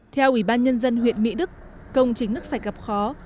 theo ủy ban nhân dân huyện mỹ đức công trình nước sạch gặp khó